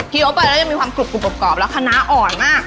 เคี้ยวไปแล้วยังมีความกรุบกรุบกรอบกรอบแล้วขนาอ่อนมาก